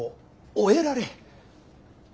「終えられ」？